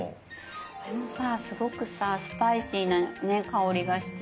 これもさすごくさスパイシーな香りがして。